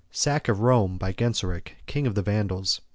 Sack Of Rome By Genseric, King Of The Vandals.